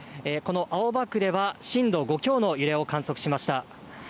この青葉区では震度５強の揺れを観測しました。